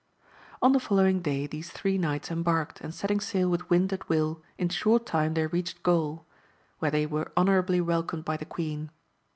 On the following day these three knights embarked, and setting sail with wind at will, in short time they reached Gaul, where they were honourably welcomed by the Queen.